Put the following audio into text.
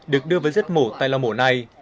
được đưa với giết mổ tại lò mổ này